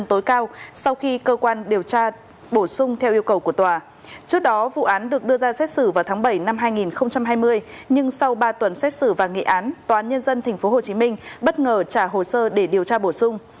trước đó vụ án được đưa ra xét xử vào tháng bảy năm hai nghìn hai mươi nhưng sau ba tuần xét xử và nghị án tòa án nhân dân tp hcm bất ngờ trả hồ sơ để điều tra bổ sung